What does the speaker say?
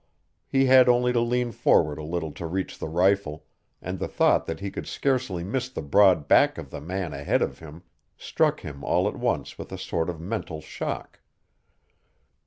He had only to lean forward a little to reach the rifle, and the thought that he could scarcely miss the broad back of the man ahead of him struck him all at once with a sort of mental shock.